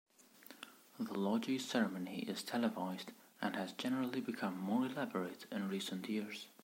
The Logies ceremony is televised, and has generally become more elaborate in recent years.